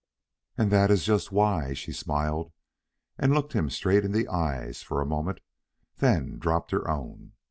"And that is just why." She smiled, and looked him straight in the eyes for a moment, then dropped her own.